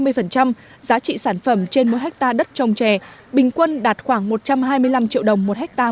sản xuất sản phẩm trên mỗi hectare đất trồng chè bình quân đạt khoảng một trăm hai mươi năm triệu đồng một hectare